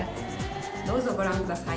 どうぞご覧ください。